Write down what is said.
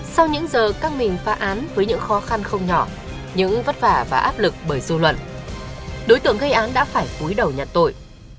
sau những giờ căng mình phá án với những khó khăn không nhỏ những vất vả và áp lực bởi dư luận đối tượng gây án đã phải cuối đầu nhận tội